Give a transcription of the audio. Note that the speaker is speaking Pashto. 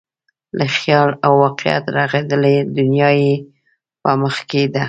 له خیال او واقعیته رغېدلې دنیا یې په مخ کې ده.